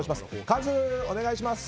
カズ、お願いします。